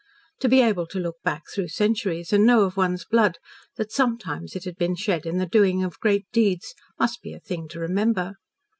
To be able to look back through centuries and know of one's blood that sometimes it had been shed in the doing of great deeds, must be a thing to remember.